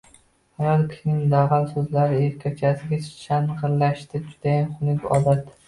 Ayol kishining dag‘al so‘zlashi, erkakchasiga shang‘illashi judayam xunuk odat.